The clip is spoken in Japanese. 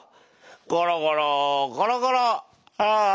ゴロゴロゴロゴロああ。